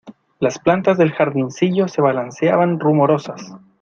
Las plantas del jardincillo se balanceaban rumorosas.